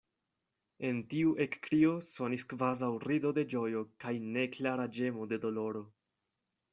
En tiu ekkrio sonis kvazaŭ rido de ĝojo kaj neklara ĝemo de doloro.